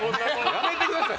やめてください！